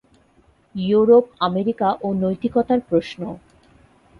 Europe, America ও নৈতিকতার প্রশ্ন।